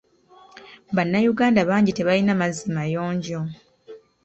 Bannayuganda bangi tebalina mazzi mayonjo.